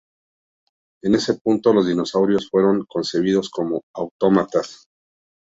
En ese punto los dinosaurios fueron concebidos como autómatas.